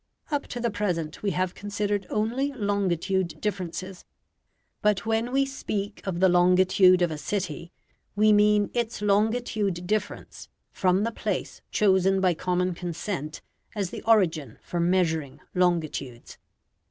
Up to the present we have considered only longitude differences; but when we speak of the longitude of a city we mean its longitude difference from the place chosen by common consent as the origin for measuring longitudes.